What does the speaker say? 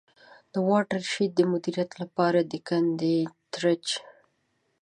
د واټر شید د مدیریت له پاره د کندي Trench.